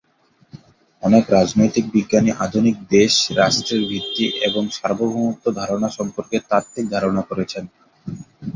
অনেক রাজনৈতিক বিজ্ঞানী আধুনিক দেশ রাষ্ট্রের ভিত্তি এবং সার্বভৌমত্বের ধারণা সম্পর্কে তাত্ত্বিক ধারণা করেছেন।